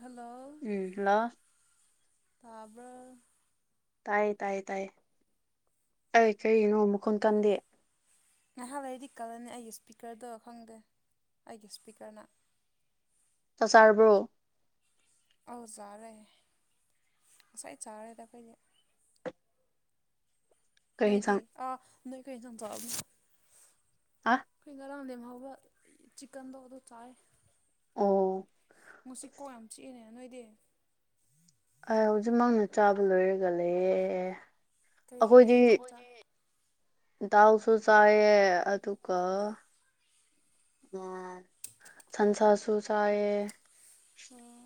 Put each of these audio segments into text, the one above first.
Hello ꯎꯝ hello ꯇꯥꯕ꯭ꯔꯣ ꯇꯥꯏꯌꯦ ꯇꯥꯏꯌꯦ ꯇꯥꯏꯌꯦ ꯑꯩ ꯀꯒꯤꯅꯣ ꯃꯈꯣꯟ ꯀꯟꯗꯦ ꯉꯥꯏꯍꯥꯛ ꯂꯩꯗꯤ ꯀꯜꯂꯅꯤ ꯑꯩꯒꯤ ꯁꯄꯤꯀꯔꯗꯣ ꯈꯪꯗꯦ ꯑꯩꯒꯤ ꯁꯄꯤꯀꯔꯅ ꯆꯥꯛ ꯆꯥꯔꯕ꯭ꯔꯣ ꯑꯧ ꯆꯥꯔꯦ ꯉꯁꯥꯏ ꯆꯥꯔꯦꯗ ꯈꯣꯏꯗꯤ ꯀꯔꯤ ꯅꯣꯏꯗꯤ ꯌꯦꯟꯁꯥꯡ ꯑꯥ ꯅꯣꯏ ꯀꯩ ꯁꯝ ꯑ ꯈꯣꯏ ꯉꯔꯥꯡ ꯅꯦꯝ ꯍꯥꯎꯕ ꯆꯤꯀꯟꯗꯣ ꯑꯗꯨ ꯆꯥꯥꯏ ꯑꯣ ꯉꯁꯤꯀꯣꯛ ꯌꯥꯝ ꯆꯤꯛꯑꯦꯅꯦ ꯅꯣꯏꯗꯤ ꯑꯥ ꯍꯧꯖꯤꯛꯃꯛꯅ ꯆꯥꯕ ꯂꯣꯏꯔꯒ ꯂꯩꯌꯦ ꯀꯩ ꯀꯩ ꯍꯦꯟꯖꯥꯡ ꯗꯥꯎꯁꯨ ꯆꯥꯏꯌꯦ ꯑꯗꯨꯒ ꯎꯝ ꯁꯟꯁꯁꯨ ꯆꯌꯦ ꯑꯣ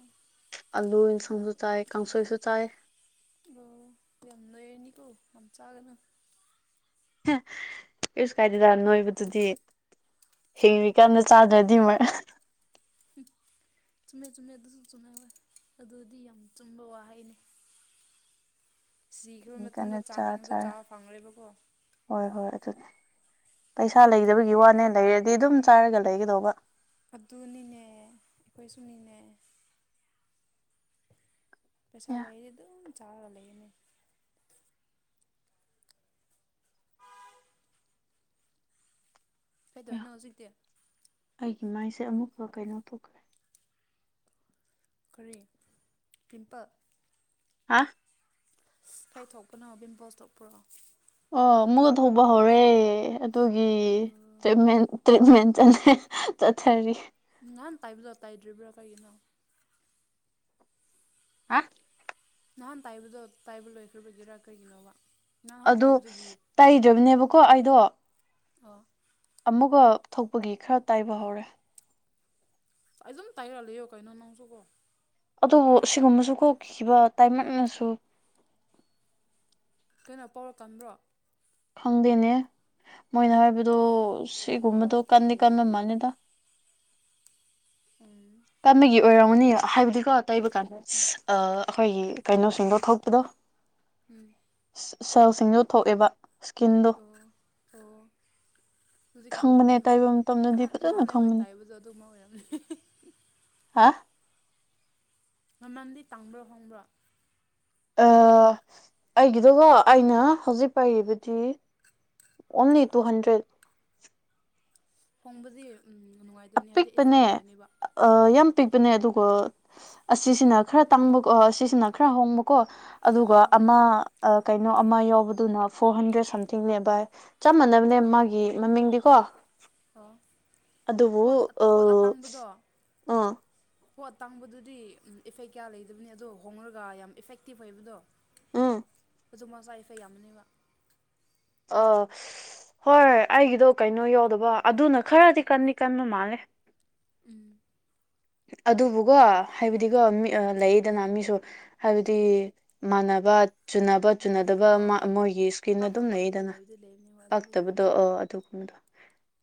ꯑꯥꯂꯨ ꯏꯟꯁꯪꯁꯨ ꯆꯥꯏ ꯀꯥꯡꯁꯣꯏꯁꯨ ꯆꯥꯏ [inaudible] ꯌꯟꯅ [inaudible] ꯅꯤꯀꯣ ꯌꯥꯝ ꯆꯒꯅꯨ ꯀꯩꯁꯨ ꯀꯥꯏꯗꯦꯗ ꯅꯣꯏꯕꯗꯨꯗꯤ ꯍꯤꯡꯔꯤ ꯀꯥꯟꯗ ꯆꯥꯗ꯭ꯔꯗꯤ ꯃꯣꯏ ꯆꯨꯝꯃꯦ ꯆꯨꯝꯃꯦ ꯑꯗꯨꯁꯨ ꯆꯨꯝꯃꯦ ꯑꯗꯨꯗꯤ ꯌꯥꯝ ꯆꯨꯝꯕ ꯋꯥꯍꯩꯅꯦ ꯁꯤꯈ꯭ꯔ ꯃꯇꯨꯡꯗ ꯀꯟꯅ ꯆꯥ ꯆꯥꯅꯤꯡꯉꯗꯣ ꯆꯥꯔꯦ ꯆꯥꯕ ꯐꯪꯉꯔꯣꯏꯕꯀꯣ ꯍꯣꯏ ꯍꯣꯏ ꯑꯗꯨꯅꯤ ꯄꯩꯁꯥ ꯂꯩꯗꯕꯒꯤ ꯋꯥꯅꯦ ꯂꯩꯔꯗꯤ ꯑꯗꯨꯝ ꯆꯥꯔꯒ ꯂꯩꯒꯗꯧꯕ ꯑꯗꯨꯅꯤꯅꯦ ꯑꯩꯈꯣꯏꯁꯨꯅꯤꯅꯦ ꯄꯩꯁꯥ ꯑꯦ ꯂꯩꯔꯗꯤ ꯑꯗꯨꯝ ꯆꯥꯔꯒ ꯂꯩꯒꯅꯤ ꯑꯦ ꯀꯩꯗꯧꯔꯤꯅꯣ ꯍꯧꯖꯤꯛꯇꯤ ꯑꯩꯒꯤ ꯃꯥꯏꯁꯦ ꯑꯃꯨꯛꯀ ꯀꯩꯅꯣ ꯇꯧꯒ ꯀꯔꯤ ꯄꯤꯝꯄꯜ ꯍꯥ ꯀꯥ ꯊꯣꯛꯄꯅꯣ ꯄꯤꯝꯄꯜꯁ ꯊꯣꯛꯄ꯭ꯔꯣ ꯑꯣ ꯃꯨꯜ ꯊꯣꯛꯄ ꯍꯧꯔꯦ ꯑꯗꯨꯒꯤ [inaudible] ꯇ꯭ꯔꯤꯃꯦꯟ ꯆꯊꯔꯤ ꯅꯍꯥꯟ ꯇꯥꯏꯕꯗ ꯇꯥꯏꯗ꯭ꯔꯤꯕ꯭ꯔꯥ ꯀꯩꯒꯤꯅꯣ ꯍꯥ ꯅꯍꯥꯟ ꯇꯥꯏꯕꯗꯣ ꯇꯥꯏꯕ ꯂꯣꯏꯈ꯭ꯔꯕꯒꯤꯔꯥ ꯀꯩꯒꯤꯅꯣꯕ ꯅꯍꯥꯟ ꯑꯗꯨ ꯇꯩꯗ꯭ꯔꯕꯅꯦꯕꯀꯣ ꯑꯩꯗꯣ ꯑꯣ ꯑꯃꯨꯛꯒ ꯊꯣꯛꯄꯒꯤ ꯈꯔ ꯇꯥꯏꯕ ꯍꯧꯔꯦ ꯑꯖꯨꯝ ꯇꯥꯏꯔ ꯂꯩꯑꯣ ꯀꯩꯅꯣ ꯅꯪꯁꯨꯒꯣ ꯑꯗꯨꯕꯨ ꯁꯤꯒꯨꯝꯕꯁꯨ ꯀꯣꯛꯈꯤꯕ ꯇꯥꯏꯃꯛꯅꯁꯨ ꯀꯩꯅꯣ ꯄꯋꯔ ꯀꯟꯕ꯭ꯔꯣ ꯈꯪꯗꯦꯅꯦ ꯃꯣꯏꯅ ꯍꯥꯏꯕꯗꯣ ꯁꯤꯒꯨꯝꯕꯗꯣ ꯀꯟꯗꯤ ꯀꯟꯕ ꯃꯥꯜꯂꯦꯗ [inaudible] ꯀꯝꯕꯒꯤ ꯑꯣꯏꯔꯝꯅꯤ ꯍꯥꯏꯕꯗꯤꯀꯣ ꯇꯩꯕ ꯀꯥꯟꯗ ꯑꯩꯈꯣꯏꯒꯤ ꯀꯩꯅꯣꯁꯤꯡꯗꯣ ꯊꯣꯛꯄꯗꯣ ꯎꯝ ꯁꯦꯜꯁꯤꯡꯗꯣ ꯊꯣꯛꯑꯦꯕ ꯁꯀꯤꯟꯗ ꯑꯣ ꯑꯣ ꯍꯧꯖꯤꯛ ꯈꯪꯕꯅꯦ ꯀꯂꯝꯅꯤ ꯍꯣꯏ ꯇꯩꯕ ꯃꯇꯝꯗꯗꯤ ꯅꯍꯥꯟ ꯐꯖꯅ ꯅꯍꯥꯟ ꯑꯩꯈꯣꯏ ꯈꯪꯕꯅꯦ ꯇꯥꯏꯕꯗꯣ ꯑꯗꯨꯒꯨꯝꯕ ꯑꯣꯏꯔꯝꯅꯤ ꯍꯥꯥ ꯃꯃꯜꯗꯤ ꯇꯥꯡꯕ꯭ꯔꯣ ꯍꯣꯡꯕ꯭ꯔꯣ ꯑꯩꯒꯤꯗꯨꯒꯣ ꯑꯩꯅ ꯍꯧꯖꯤꯛ ꯄꯥꯏꯔꯤꯕꯗꯤ ꯑꯣꯟꯂꯤ ꯇꯨ ꯍꯟꯗ꯭ꯔꯦꯠ ꯍꯣꯡꯕꯗꯤ ꯅꯨꯡꯉꯥꯏꯇꯕꯅꯤ ꯍꯥꯏꯗꯤ ꯏꯐꯦꯛ ꯂꯩꯕꯅꯦꯕ ꯑꯣ ꯅꯦ ꯑꯗꯨꯒ ꯑꯁꯤꯁꯤꯅ ꯈꯔ ꯇꯥꯡꯕꯀꯣ ꯑꯁꯤꯁꯤꯅ ꯈꯔ ꯍꯣꯡꯕꯀꯣ ꯑꯗꯨꯒ ꯑꯣ ꯑꯃ ꯀꯩꯅꯣ ꯑꯃ ꯌꯥꯎꯕꯗꯨꯅ ꯐꯣꯔ ꯍꯟꯗ꯭ꯔꯦꯠ ꯁꯝꯊꯤꯡ ꯅꯦ ꯕꯥꯏ ꯆꯞ ꯃꯥꯟꯅꯕꯅꯦ ꯃꯥꯒꯤ ꯃꯃꯤꯡꯗꯤꯀꯣ ꯑꯣ ꯑꯗꯨꯕꯨ ꯄꯣꯠ ꯄꯣꯠ ꯑꯥ ꯑꯇꯥꯡꯕꯗꯣ ꯄꯣꯠ ꯇꯥꯡꯕꯗꯨꯗꯤ ꯏꯐꯦꯛ ꯀꯌꯥ ꯂꯩꯗꯕꯅꯤ ꯑꯗꯣ ꯍꯣꯉꯔꯒ ꯌꯥꯝ ꯏꯐꯦꯛꯇꯤꯞ ꯑꯣꯏꯕꯗꯣ ꯎꯝ ꯍꯧꯖꯤꯛꯃꯛꯆꯥ ꯏꯐꯦꯛ ꯌꯥꯝꯕꯅꯦꯕ ꯑꯥ ꯍꯣꯏ ꯑꯩꯒꯤꯗꯣ ꯀꯩꯅꯣ ꯌꯧꯗꯕ ꯑꯗꯨꯅ ꯈꯔꯗꯤ ꯀꯟꯗꯤ ꯀꯟꯕ ꯃꯥꯜꯂꯦ ꯎꯝ ꯑꯗꯨꯕꯨꯀꯣ ꯍꯥꯏꯕꯗꯤꯀꯣ ꯂꯩꯗꯅ ꯃꯤꯁꯨ ꯍꯥꯏꯕꯗꯤ ꯃꯥꯟꯅꯕ ꯆꯨꯅꯕ ꯆꯨꯅꯗꯕ ꯑꯣ ꯑꯣ ꯃꯣꯏꯒꯤ ꯏꯁꯀꯤꯟ ꯄꯥꯛꯄ ꯑꯗꯨꯝ ꯄꯥꯛꯇꯕ ꯂꯩꯏꯗꯅ ꯂꯩꯕꯗꯤ ꯂꯩꯕꯅꯦꯕ ꯑꯗꯨꯗꯤ ꯄꯥꯛꯇꯕꯗꯣ ꯂꯩꯕꯅꯦꯕ ꯑꯣ ꯑꯗꯨꯒꯨꯝꯕꯗꯣ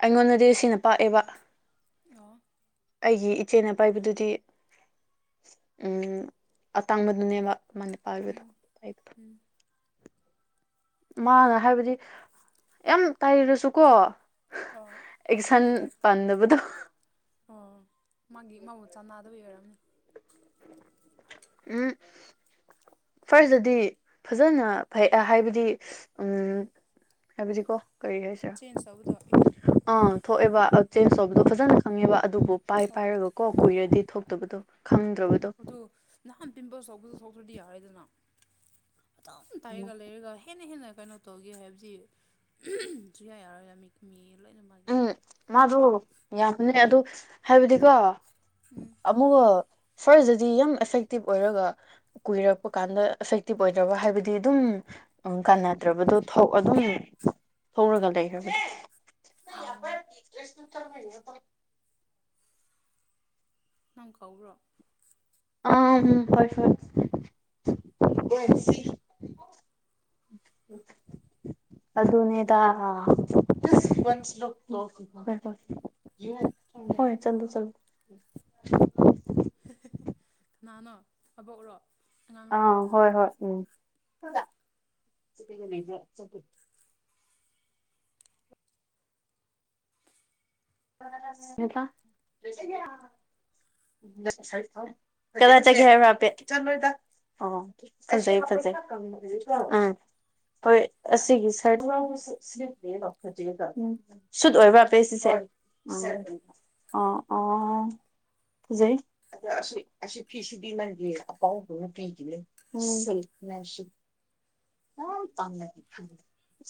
ꯑꯩꯉꯣꯟꯗꯗꯤ ꯁꯤꯅ ꯄꯥꯛꯑꯦꯕ ꯑꯣ ꯑꯩꯒꯤ ꯏꯆꯦꯅ ꯄꯥꯏꯕꯗꯨꯗꯤ ꯎꯝ ꯑꯇꯥꯡꯕꯗꯨꯅꯦꯕ ꯃꯥꯅ ꯄꯥꯏꯕꯗꯣ ꯎꯝ ꯃꯥꯅ ꯍꯥꯏꯕꯗꯤ ꯌꯥꯝ ꯇꯩꯔꯁꯨꯀꯣ ꯑ ꯑꯦꯛꯁꯟ ꯄꯥꯟꯗꯕꯗꯣ ꯑꯣ ꯃꯥꯒꯤ ꯃꯣꯠ ꯆꯥꯟꯅꯗꯕ ꯑꯣꯏꯔꯝꯅꯤ ꯎꯝ ꯐꯥꯔꯁꯇꯗꯤ ꯐꯖꯅ ꯐꯩ ꯍꯥꯏꯕꯗꯤ ꯎꯝ ꯍꯥꯏꯕꯗꯤꯀꯣ ꯀꯔꯤ ꯍꯥꯏꯁꯤꯔꯥ ꯆꯦꯟꯖ ꯇꯧꯕꯗꯣ ꯑꯥ ꯊꯣꯛꯑꯦꯕ ꯆꯦꯟꯖ ꯇꯧꯕꯗꯣ ꯑꯣ ꯐꯖꯅ ꯈꯪꯉꯦꯕ ꯑꯗꯨꯕꯨ ꯄꯥꯏ ꯑꯣ ꯄꯥꯏꯔꯒ ꯀꯣ ꯀꯨꯏꯔꯗꯤ ꯊꯣꯛꯇꯕꯗꯣ ꯈꯪꯗ꯭ꯔꯕ ꯑꯗꯨ ꯅꯍꯥꯟ ꯄꯤꯝꯄꯜ ꯁꯧꯕꯁꯨ ꯁꯣꯛꯇ꯭ꯔꯗꯤ ꯌꯥꯔꯦꯗꯅ ꯑꯗꯨꯝ ꯇꯩꯔꯒ ꯂꯩꯔꯒ ꯍꯦꯟꯅ ꯍꯦꯟꯅ ꯀꯩꯅꯣ ꯇꯧꯒꯦ ꯍꯥꯏꯕꯁꯤ ꯁꯨꯡꯌꯥ ꯌꯥꯔꯣꯏꯗ ꯃꯤ ꯃꯤ ꯂꯣꯏꯅꯃꯥꯒꯤ ꯎꯝ ꯃꯥꯗꯣ ꯌꯥꯝꯕꯅꯦ ꯑꯗꯨ ꯍꯥꯏꯕꯗꯤꯀꯣ ꯎꯝ ꯑꯃꯨꯒ ꯐꯥꯔꯁꯗꯗꯤ ꯌꯥꯝ ꯑꯦꯐꯦꯛꯇꯤꯞ ꯑꯣꯏꯔꯒ ꯀꯨꯏꯔꯛꯄ ꯀꯥꯟꯗ ꯑꯦꯐꯦꯛꯇꯤꯞ ꯑꯣꯏꯗ꯭ꯔꯕ ꯍꯥꯏꯕꯗꯤ ꯑꯗꯨꯝ ꯎꯝ ꯀꯥꯟꯅꯗ꯭ꯔꯕꯗꯣ ꯊꯧ ꯑꯗꯨꯝ ꯊꯧꯔꯒ ꯂꯩꯈ꯭ꯔꯕ ꯑꯣ [unintelligible] ꯅꯪ ꯀ꯭ꯧꯕ꯭ꯔꯣ ꯑ ꯎꯝ ꯍꯣꯏ ꯍꯣꯏ [unintelligible] [unintelligible] ꯑꯗꯨꯅꯦꯗꯥ ꯍꯣꯏ ꯆ ꯆ [unintelligible] ꯅꯍꯅꯣ ꯑꯕꯣꯛꯔꯣ ꯑꯉꯥꯡꯔꯣ ꯑꯥ ꯍꯣꯏ ꯍꯣꯏ ꯎꯝ [unintelligible] ꯀꯗꯥ ꯔꯃꯄꯦ ꯆ ꯑꯣ ꯐꯖꯩ ꯐꯖꯩ ꯑ ꯍꯣꯏ ꯑꯁꯤꯒꯤ [unintelligible] [unintelligible] ꯁꯨꯠ ꯑꯣꯏꯕ꯭ꯔꯥ ꯑꯕꯦ ꯁꯤꯁꯦ [unintelligible] ꯐꯖꯩ ꯑ ꯑꯁꯤ ꯑꯁꯤ ꯐꯤꯁꯤꯗꯤ ꯅꯪꯒꯤ [unintelligible] ꯌꯥꯝ ꯇꯟꯂꯦ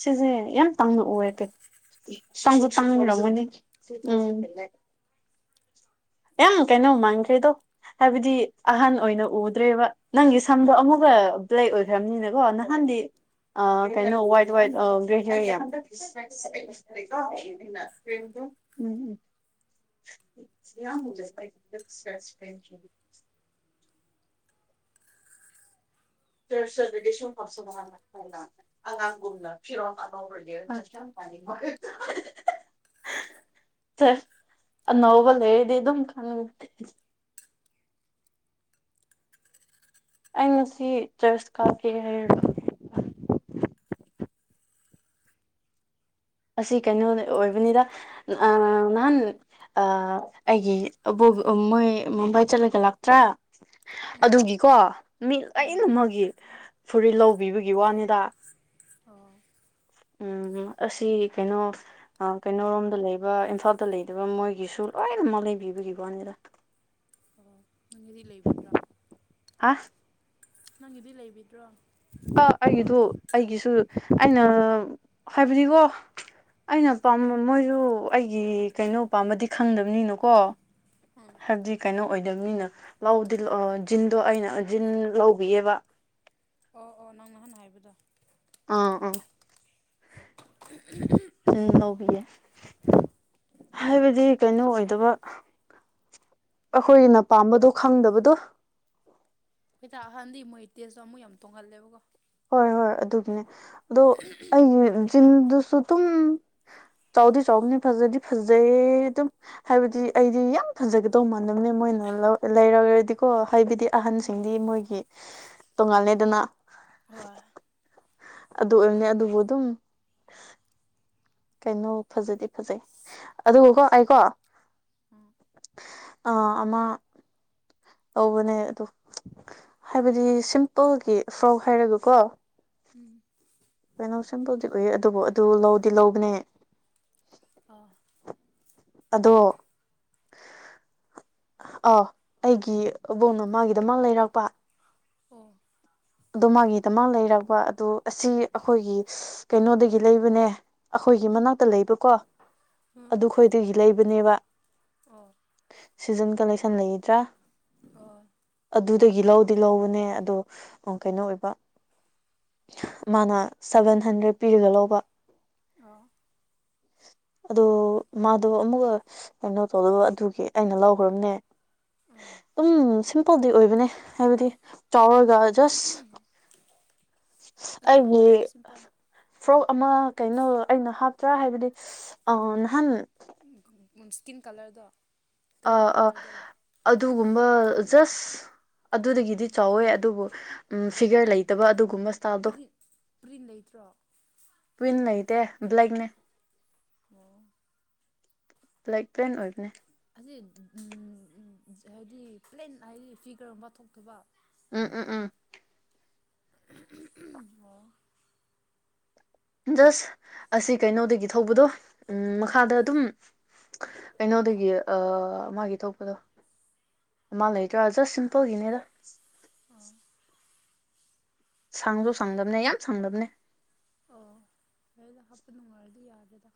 ꯁꯤꯁꯦ ꯌꯥꯝ ꯇꯥꯡꯅ ꯎꯏꯌꯦ ꯇꯥꯡꯁꯨ ꯇꯥꯡꯉꯔꯝꯒꯅꯤ ꯎꯝ ꯌꯥꯝ ꯀꯩꯅꯣ ꯃꯥꯥꯟꯈ꯭ꯔꯦꯗꯣ ꯍꯥꯏꯕꯗꯤ ꯑꯍꯟ ꯑꯣꯏꯅ ꯎꯗ꯭ꯔꯦꯕ ꯅꯪꯒꯤ ꯁꯝꯗꯣ ꯑꯃꯨꯛꯀ ꯕ꯭ꯂꯦꯛ ꯑꯣꯏ ꯈ꯭ꯔꯕꯅꯤꯅꯀꯣ ꯅꯍꯥꯟꯗꯤ ꯑ ꯀꯩꯅꯣ ꯋꯥꯏꯠ ꯋꯥꯏꯠ ꯦ ꯍꯥꯏꯅ ꯀ ꯎꯝ ꯌꯥꯝ ꯍꯧꯖꯦꯥꯏ ꯁ꯭ꯔꯦꯁ ꯐ ꯁꯔꯗꯤꯁꯨꯁꯨ ꯑꯉꯥꯡꯒꯨꯝꯅ ꯐꯤꯔꯣ ꯑꯉꯥꯡꯔ ꯃꯅꯤ ꯁ ꯅꯣꯕꯜ ꯍꯗꯤ ꯑꯗꯨꯝ ꯈꯪꯦ ꯑꯩꯅ ꯁꯤ ꯆꯔꯁ ꯀꯥꯐꯤ ꯍꯥꯏ ꯑꯁꯤ ꯀꯩꯅꯣ ꯑꯣꯏꯕꯅꯤꯗ ꯅꯍꯥꯟ ꯑꯩꯒꯤ ꯃꯣꯏ ꯃꯨꯝꯕꯥꯏ ꯆꯠꯂꯒ ꯂꯥꯛꯇ꯭ꯔꯥ ꯎꯝ ꯑꯗꯨꯒꯤꯀꯣ ꯃꯤ ꯂꯅ ꯎꯝ ꯑꯃꯒꯤ ꯐꯨꯔꯤꯠ ꯂꯧꯕꯤꯕꯒꯤ ꯋꯥꯅꯤꯗ ꯑꯣ ꯎꯝ ꯑꯁꯤ ꯑꯁꯤ ꯀꯩꯅꯣ ꯀꯩꯅꯣꯣꯔꯣꯝꯗ ꯂꯩꯕ ꯏꯝꯐꯥꯜꯗ ꯂꯩꯗꯕ ꯃꯣꯏꯒꯤꯁꯨ ꯂꯣꯏꯅꯃꯛ ꯂꯩꯕꯤꯕꯒꯤꯀ ꯋꯥꯅꯤꯗ ꯑꯣ ꯅꯪꯒꯤꯗꯤ ꯂꯩꯕꯤꯗ꯭ꯔꯣ ꯍꯥ ꯅꯪꯒꯤꯗꯤ ꯂꯩꯕꯤꯗ꯭ꯔꯣ ꯑ ꯑꯩꯒꯤꯗꯨ ꯑꯩꯒꯤꯁꯨ ꯑꯩꯅ ꯍꯥꯏꯕꯗꯤꯀꯣ ꯑꯩꯅ ꯄꯥꯝꯕ ꯎꯝ ꯃꯣꯏꯁꯨ ꯑꯩꯒꯤ ꯀꯩꯅꯣ ꯄꯥꯝꯕꯗꯤ ꯈꯪꯗꯕꯅꯤꯅꯀꯣ ꯎꯝ ꯍꯥꯏꯕꯗꯤ ꯀꯩꯅꯣ ꯑꯣꯏꯗꯕꯅꯤꯅ ꯂꯧꯗꯤ ꯖꯤꯟꯗꯣ ꯑꯩꯅ ꯖꯤꯟ ꯂꯧꯕꯤꯑꯕ ꯑꯣ ꯑꯣ ꯅꯪ ꯅꯍꯥꯟ ꯍꯥꯏꯕꯗꯣ ꯑꯥ ꯑꯥ [unintelligible] ꯂꯧꯕꯤꯌꯦ ꯍꯥꯏꯕꯗꯤ ꯀꯩꯅꯣ ꯑꯣꯏꯗꯕ ꯑꯩꯈꯣꯏꯒꯤꯅ ꯄꯥꯝꯕꯗꯣ ꯈꯪꯗꯕꯗꯣ ꯍꯩ ꯇꯥꯛ ꯑꯍꯟꯗꯤ ꯃꯣꯏ ꯏ ꯇꯦꯁꯇꯣ ꯑꯃꯨꯛ ꯌꯥꯝ ꯇꯣꯡꯍꯜꯂꯦꯕꯀꯣ ꯍꯣꯏ ꯍꯣꯏ ꯑꯗꯨꯒꯤꯅꯦ ꯑꯗꯣ ꯑꯩꯒꯤ ꯖꯤꯟꯗꯨꯁꯨ ꯑꯗꯨꯨꯝ ꯆꯥꯎꯗꯤ ꯆꯥꯎꯕꯅꯤ ꯐꯖꯗꯤ ꯐꯖꯩ ꯑꯗꯨꯝ ꯍꯥꯏꯕꯗꯤ ꯑꯩꯗꯤ ꯌꯥꯝ ꯐꯖꯒꯗꯧ ꯃꯥꯟꯗꯝꯅꯦ ꯃꯣꯏꯅ ꯂꯩꯔꯔꯗꯤꯀꯣ ꯍꯥꯏꯕꯗꯤ ꯎꯝ ꯑꯍꯟꯁꯤꯡꯗꯤ ꯃꯣꯏꯒꯤ ꯇꯣꯉꯥꯜꯂꯦꯗꯅ ꯍ ꯑꯗꯨ ꯑꯣꯏꯕꯅꯦ ꯑꯗꯨꯕꯨ ꯑꯗꯨꯝ ꯀꯩꯅꯣ ꯐꯖꯗꯤ ꯐꯖꯩ ꯑꯗꯨꯒ ꯑꯣ ꯀꯣ ꯑꯩꯀꯣ ꯎꯝ ꯑ ꯑꯃꯃ ꯇꯧꯕꯅꯦ ꯑꯗꯣ ꯍꯥꯏꯕꯗꯤ ꯁꯤꯝꯄꯜꯒꯤ ꯐ꯭ꯔꯥꯎ ꯍꯥꯏꯔꯒꯀꯣ ꯎꯝ ꯀꯩꯅꯣ ꯁꯤꯝꯝꯕꯜꯗꯤ ꯎꯏ ꯑꯗꯨꯕꯨ ꯑꯗꯨ ꯂꯧꯗꯤ ꯂꯧꯕꯅꯦ ꯑꯥ ꯑꯗꯣ ꯑ ꯑꯩꯒꯤ ꯑꯕꯣꯛꯅ ꯃꯥꯒꯤꯗꯃꯛ ꯂꯩꯔꯛꯄ ꯑꯣ ꯑꯗꯨ ꯃꯥꯒꯤꯗꯃꯛ ꯂꯩꯔꯛꯔꯕ ꯑꯗꯨ ꯑꯁꯤ ꯑꯩꯈꯣꯏꯒꯤ ꯀꯩꯅꯣꯗꯒꯤ ꯂꯩꯕꯅꯦ ꯑꯩꯈꯣꯏꯒꯤ ꯃꯅꯥꯛꯇ ꯂꯩꯕꯀꯣ ꯍ ꯑꯗꯨ ꯈꯣꯏꯗꯒꯤ ꯂꯩꯕꯅꯦꯕ ꯑꯣ ꯁꯤꯖꯟ ꯀꯂꯦꯛꯁꯟ ꯂꯩꯒꯗ꯭ꯔꯥ ꯑꯣ ꯑꯗꯨꯗꯒꯤ ꯂꯧꯗꯤ ꯂꯧꯕꯅꯦ ꯑꯗꯣ ꯀꯩꯅꯣ ꯑꯣꯏꯕ ꯃꯥꯅ ꯁꯚꯦꯟ ꯍꯟꯗ꯭ꯔꯦꯗ ꯄꯤꯔꯒ ꯂꯧꯕ ꯑꯣ ꯑꯗ ꯃꯥꯗꯣ ꯑꯃꯨꯛꯀ ꯀꯩꯅꯣ ꯇꯧꯗꯕ ꯑꯗꯨꯒꯤ ꯑꯩꯅ ꯂꯧꯈ꯭ꯔꯕꯅꯦ ꯑꯣ ꯑꯗꯨꯝ ꯁꯤꯝꯄꯜꯗꯤ ꯑꯣꯏꯕꯅꯦ ꯍꯥꯏꯕꯗꯤ ꯆꯥꯎꯔꯒ ꯖꯁ ꯑꯗꯨꯅ ꯑꯗꯨꯗꯤ ꯐꯩꯗ ꯁꯤꯝꯄꯜꯅ ꯐ꯭ꯔꯣꯛ ꯑꯃ ꯀꯩꯅꯣ ꯑꯩꯅ ꯍꯥꯞꯇ꯭ꯔꯥ ꯍꯥꯏꯕꯗꯤ ꯑ ꯅꯍꯥꯟ ꯏꯁ꯭ꯀꯤꯟ ꯀꯂꯔꯗꯣ ꯀ꯭ꯔꯤꯝ ꯑꯥ ꯑꯥ ꯀꯂꯔꯗꯨꯔꯣ ꯑꯗꯨꯒꯨꯝꯕ ꯖꯁ ꯑꯗꯨꯗꯒꯤꯗꯤ ꯆꯥꯎꯋꯦ ꯑꯗꯨꯕꯨ ꯐꯤꯒꯔ ꯂꯩꯇꯕ ꯑꯗꯨꯒꯨꯝꯕ ꯁ꯭ꯇꯥꯥꯏꯜꯗꯣ ꯄ꯭ꯔꯤꯟ ꯄ꯭ꯔꯤꯟ ꯂꯩꯇ꯭ꯔꯣ ꯄ꯭ꯋꯤꯟ ꯂꯩꯇ ꯕ꯭ꯂꯦꯛꯅꯦ ꯑꯣꯝ ꯂꯥꯏꯛ ꯄ꯭ꯔꯦꯟ ꯑꯣꯏꯕꯅꯦ ꯑꯁꯤ ꯎ ꯍꯥꯏꯗꯤ ꯄ꯭ꯂꯦꯟ ꯍꯥꯏꯗꯤ ꯐꯤꯒꯔꯒꯨꯝꯕ ꯊꯣꯛꯇꯕ ꯎꯝ ꯎꯝ ꯎꯝ ꯑꯣ ꯖꯁ ꯑꯁꯤ ꯀꯩꯅꯣꯗꯒꯤ ꯊꯧꯕꯗꯣ ꯎ ꯃꯈꯥꯗ ꯑꯗꯨꯝ ꯀꯩꯅꯣꯗꯒꯤ ꯑ ꯃꯥꯒꯤ ꯊꯣꯛꯄꯗꯣ ꯃꯂ ꯍ ꯇ ꯑꯖ ꯁ ꯁꯤꯝꯄꯜ ꯍꯤꯡꯅꯔ ꯑꯣ ꯁꯪꯁꯨ ꯁꯥꯡꯗꯝꯅꯦ ꯌꯥꯝ ꯁꯥꯡꯗꯝꯕꯅꯦ ꯑꯣ ꯐꯗ ꯍꯥꯞꯄ ꯅꯨꯅꯨꯡꯉꯗꯤ ꯌꯥꯗꯦꯗ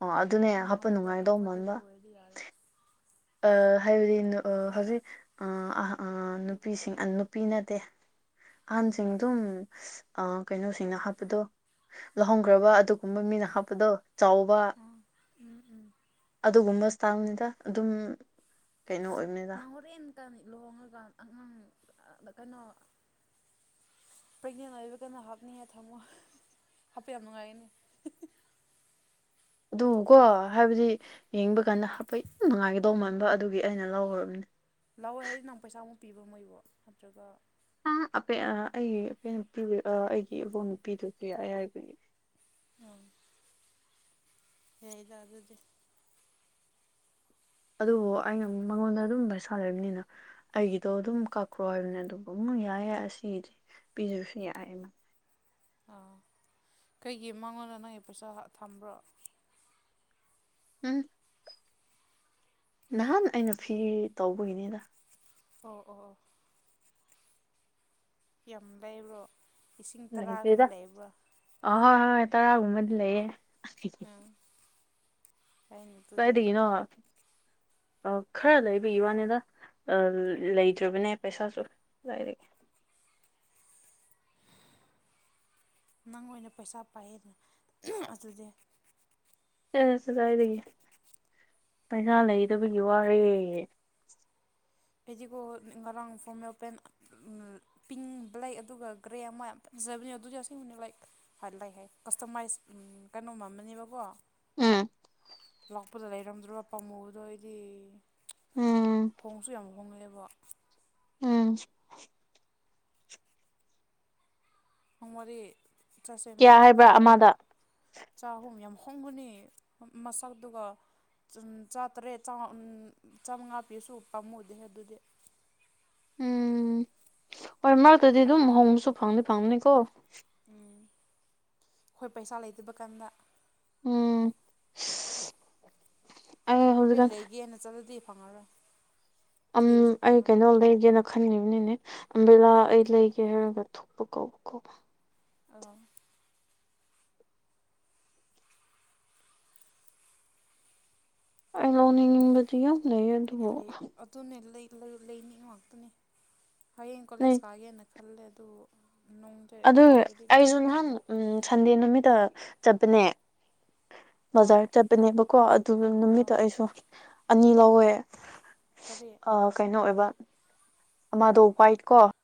ꯑꯣ ꯑꯗꯨꯅꯦ ꯍꯥꯞꯄ ꯍꯥꯞꯄꯗ ꯅꯨꯡꯉꯥꯏꯗꯧ ꯃꯥꯟꯕ ꯀꯝꯐꯣꯔꯇꯦꯕꯜ ꯑꯣꯏ ꯌꯥꯔꯦ ꯍꯥꯏꯕꯗꯤ ꯍꯧꯖꯤꯛ ꯅꯨꯄꯤꯁꯤꯡ ꯅꯨꯄꯤ ꯅꯠꯇꯦ ꯑꯍꯥꯟꯁꯤꯡꯗꯨꯝ ꯀꯩꯅꯣꯁꯤꯡꯅ ꯍꯥꯞꯄꯗꯣ ꯂꯧꯍꯣꯡꯈ꯭ꯔꯕ ꯑꯗꯨꯒꯨꯝꯕ ꯃꯤꯅ ꯍꯥꯞꯄꯗꯣ ꯆꯥꯎꯕ ꯎꯝ ꯎꯝ ꯑꯗꯨꯒꯨꯝꯕ ꯁ꯭ꯇꯥꯥꯏꯜꯅꯤꯗ ꯑꯗꯨꯝ ꯀꯩꯅꯣ ꯑꯣꯏ ꯅꯍꯧꯣꯔꯦꯟ ꯀ ꯂꯨꯍꯣꯡꯉꯒ ꯑꯉꯥꯡ ꯀꯩꯅꯣ ꯄ꯭ꯔꯒꯅꯦꯟ ꯑꯣꯏꯕ ꯀꯩꯅꯣ ꯍꯥꯞꯅꯤꯉ ꯊꯝꯃꯣ ꯍꯥꯞꯄ ꯌꯥꯝ ꯅꯨꯡꯉꯥꯏꯒꯅꯤ ꯑꯗꯨꯀꯣ ꯎꯠꯊꯣꯛꯇꯕ ꯍꯥꯏꯕꯗꯤ ꯌꯦꯡꯕ ꯀꯥꯟꯗ ꯍꯥꯄ ꯌꯥꯝ ꯅꯨꯡꯉꯥꯏꯒꯗꯧ ꯃꯥꯟꯕ ꯑꯗꯨꯒꯤ ꯑꯩꯅ ꯂꯧꯈ꯭ꯔꯕꯅꯦ ꯂꯥꯛꯑꯣꯦ ꯍꯥꯏꯁꯤ ꯅꯪ ꯄꯩꯁꯥꯃꯨꯛ ꯄꯤꯕ ꯃꯣꯏꯕꯨꯣ ꯅꯠꯇ꯭ꯔꯒ ꯑꯩ ꯑ ꯅꯨꯄꯤ ꯑꯩꯒꯤ ꯏꯕꯨꯡ ꯅꯨꯄꯤꯗꯨꯁꯨ ꯌꯥ ꯌꯥꯕ ꯎꯝ ꯍ ꯂ ꯑꯗꯨꯗꯤꯦ ꯑꯗꯨꯕꯨ ꯑꯩꯅ ꯃꯉꯣꯟꯗ ꯑꯗꯨꯝ ꯄꯩꯁꯥ ꯂꯩꯕꯅꯤꯅ ꯑꯩꯒꯤꯗꯣ ꯗꯨꯝ ꯀꯥꯈ꯭ꯔꯣ ꯍꯥꯏꯕꯅꯦ ꯑꯗꯨꯕꯨ ꯑꯃꯨꯛ ꯌꯥꯏ ꯑꯁꯤꯗꯤ ꯄꯤꯖꯁꯨ ꯌꯥꯏꯍꯥꯏꯅ꯫ ꯑꯥ ꯀꯩꯒꯤ ꯃꯥꯉꫭꯟꯗ ꯅꯪꯒꯤ ꯄꯩꯁꯥ ꯊꯝꯕ꯭ꯔꯣ꯫ ꯎꯝ꯫ ꯅꯍꯥꯟ ꯑꯩꯅ ꯐꯤ ꯇꯧꯕꯒꯤꯅꯤꯗ꯫ ꯑꯣ ꯑꯣ ꯑꯣ꯫ ꯌꯥꯝ ꯂꯩꯕ꯭ꯔꯣ ꯏꯁꯤꯡ ꯇꯔꯥꯒꯨꯝꯕ ꯂꯩꯇ꯭ꯔꯤꯗ ꯂꯩꯕ꯭ꯔꫭ꯫ ꯑꯥ ꯍꯣꯏ ꯍꯣꯏ ꯇꯔꯥ ꯒꯨꯝꯕꯗꯤ ꯂꯩꯌ‌ꯦ꯫ ꯑꯝ꯫ ꯀꯥꯏꯗꯒꯤꯅꯣ ꯑ ꯈꯔ ꯂꯩꯕꯒꯤ ꯋꯥꯅꯤꯗ ꯂꯩꯇ꯭ꯔꯕꯅꯦ ꯄꯩꯁꯥꯁꯨ ꯀꯗꯥꯏꯗꯒꯤ ꯅꯪ ꯑꯣꯏꯅ ꯄꯩꯁꯥ ꯄꯥꯏꯌꯦꯗꯅ ꯑꯗꯨꯗꯤ ꯆꯗꯥꯏꯗꯒꯤ ꯄꯩꯅꯥꯥ ꯂꯩꯗꯕꯒꯤ ꯋꯥꯔꯦ ꯐꯦꯖꯤꯀꯣ ꯉꯔꯥꯡ ꯐꯣꯔꯝ ꯑꯣꯄꯦꯟ ꯄꯤꯡ ꯕ꯭ꯂꯦꯛ ꯑꯗꯨꯒ ꯒ꯭ꯔꯦ ꯑꯃ ꯌꯥꯝ ꯐꯖꯕꯅꯦ ꯑꯗꯨꯁꯨ ꯑ ꯑꯁꯤꯦꯡꯕꯅꯦ ꯂꯥꯏꯛ ꯐ ꯂꯩ ꯍꯥꯏ ꯀꯁꯇꯃꯥꯏꯁ ꯀꯩꯅꯣꯝꯃꯝ ꯑꯃꯅꯦꯕꯀꯣ ꯎꯝ ꯂꯥꯛꯄꯗ ꯂꯩꯔꯝꯗ꯭ꯔꯕ ꯄꯥꯝꯃꯨꯕꯗꯣ ꯑꯩꯗꯤ ꯎꯝ ꯍꯣꯡꯁꯨ ꯌꯥꯝ ꯍꯣꯡꯉꯛꯑꯦꯕ ꯎꯝ ꯅꯪ ꯋꯥꯔꯤ ꯆꯠꯁ‌ꯦꯃ ꯀꯌꯥ ꯍꯥꯏꯕ꯭ꯔꯥ ꯕꯖꯥꯔꯗ꯫ ꯑꯃꯗ ꯆꯥꯛꯍꯨꯝ ꯌꯥꯝ ꯍꯣꯡꯕꯅ‌ꯦ ꯃꯁꯛꯗꯨꯒ꯫ ꯆꯨꯝ ꯆꯥꯇꯔꯦꯠ ꯆꯥꯝꯃꯉꯥ ꯄꯤꯁꯨ ꯄꯥꯝꯃꯨꯗꯦ ꯑꯗꯨꯗꯤ꯫ ꯎꯝ ꯍꯣꯏ ꯃꯔꯛꯇꯗꯤ ꯑꯗꯨꯝ ꯍꯣꯡꯕꯁꯨ ꯐꯪꯗꯤ ꯐꯪꯕꯅꯤꯀꯣ꯫ ꯎꯝ ꯑꯈꯣꯏ ꯄꯩꯁꯥ ꯂꯩꯇꯕ ꯀꯥꯟꯗ꯫ ꯎꯝ꯫ ꯑꯩ ꯑꯈꯣꯏ ꯍꯧꯖꯤꯛꯀꯥꯟ ꯂꯩꯒꯦꯅ ꯆꯠꯂꯗꯤ ꯐꯪꯉꯔꯣꯏ꯫ ꯑꯝ ꯊꯤꯔꯁꯨ ꯑꯩ ꯐꯪꯉꯔꯣꯏ ꯀꯩꯅꯣ ꯂꯩꯒ‌ꯦꯅ꯫ ꯈꯟꯒꯤꯝꯅꯤꯅꯦ ꯑꯝꯕꯦꯂꯥ ꯑꯩ ꯂꯩꯒꯦ ꯍꯥꯏꯔꯒ ꯊꯣꯛꯄ ꯀꯧꯕꯀꯣ꯫ ꯑꫭ꯫ ꯑꯩ ꯂꯧꯅꯤꯡꯕꯩ꯫ ꯂꯩꯌ‌ꯦ꯫ ꯂꯩ ꯑꯗꯨꯅꯦ ꯂꯩꯅꯤ ꯉꯥꯛꯇꯅꯦ ꯍꯌꯦꯡ ꯂꯩ ꯀꯣꯂꯦꯖ ꯀꯥꯒꯦꯅ꯫ ꯈꯜꯂꫭ ꯑꯗꯨꯒ ꯅꯪ꯫ ꯑꯗꯨ ꯑꯩꯁꯨ ꯅꯍꯥꯟ ꯁꯟꯗꯦ ꯅꯨꯃꯤꯠꯇ ꯆꯠꯄꯅꯦ꯫ ꯑꯥ ꯕꯖꯥꯔ ꯆꯠꯄꯅꯦꯕꯀꯣ ꯑꯗꯨ ꯑꯥ ꯅꯨꯃꯤꯠꯇ ꯑꯩꯁꯨ ꯑꯅꯤ ꯂꯧꯋꯦ꯫ ꯀꯥꯔꯤ꯫ ꯀꯩꯅꯣ ꯑꯣꯏꯕ ꯑꯃꯥꯗꯣ ꯋꯥꯏꯠ ꯀꯣ꯫